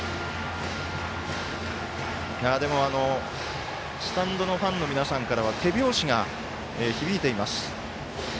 でも、スタンドのファンの皆さんからは手拍子が響いています。